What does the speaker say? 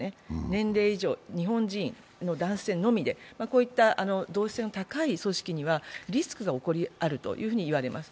年齢以上、日本人の男性で、こういった、同一性高い意識にはリスクがあると言われます。